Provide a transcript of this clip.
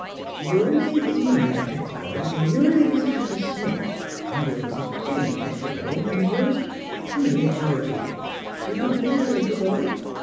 " Your name is Myra Pettibone, an' your name is Hattie Smith, an' yours is Jennie Pettibone, 'n' yours Come here, Georgie. Do you want to be her little boy